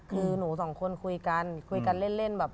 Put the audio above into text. คือหนูสองคนคุยกันคุยกันเล่นแบบ